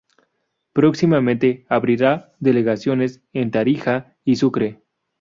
Próximamente abrirá delegaciones en Tarija y Sucre.